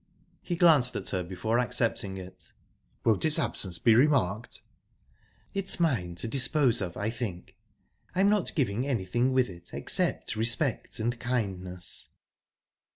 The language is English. He glanced at her before accepting it. "Won't its absence be remarked?" "It's mine to dispose of, I think. I'm not giving anything with it except respect and kindness."